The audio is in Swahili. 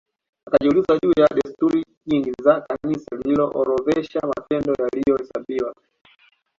Akajiuliza juu ya desturi nyingi za Kanisa lililoorodhesha matendo yaliyohesabiwa